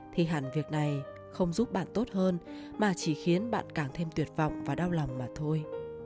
thì hẳn việc này không giúp bạn tốt hơn mà chỉ khiến bạn càng thêm tuyệt vọng và đau lòng mà thôi